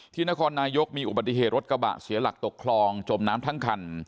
นครนายกมีอุบัติเหตุรถกระบะเสียหลักตกคลองจมน้ำทั้งคัน